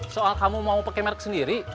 soal kamu mau pakai merek sendiri